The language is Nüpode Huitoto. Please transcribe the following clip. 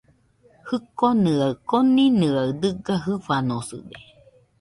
Jikonɨa koninɨaɨ dɨga jɨfanosɨde